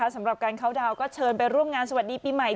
สำหรับการเข้าดาวน์ก็เชิญไปร่วมงานสวัสดีปีใหม่